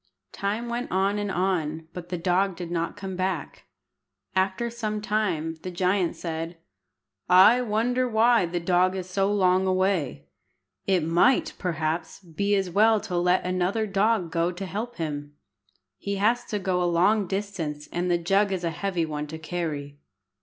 Time went on and on, but the dog did not come back. After some time the giant said "I wonder why the dog is so long away. It might, perhaps, be as well to let another dog go to help him. He has to go a long distance, and the jug is a heavy one to carry."